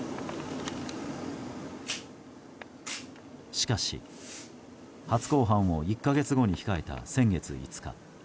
しかし、初公判を１か月後に控えた先月５日